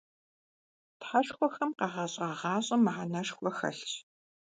Тхьэшхуэхэм къагъэщӀа гъащӀэм мыхьэнэшхуэ хэлъщ.